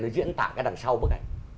nó diễn tả cái đằng sau bức ảnh